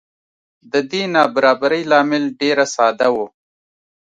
د دې نابرابرۍ لامل ډېره ساده و.